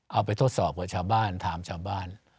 เอาไปทดสอบกับชาวบ้านถามชาวบ้าน